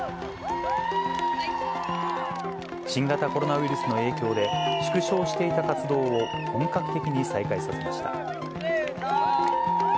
新型コロナウイルスの影響で、縮小していた活動を本格的に再開させました。